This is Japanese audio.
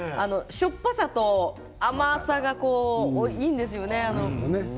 しょっぱさと甘さがいいですよね。